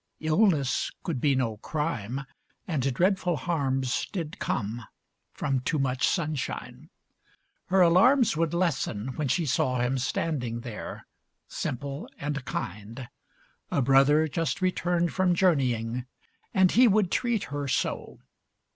Illness could be no crime, and dreadful harms Did come from too much sunshine. Her alarms Would lessen when she saw him standing there, XLII Simple and kind, a brother just returned From journeying, and he would treat her so.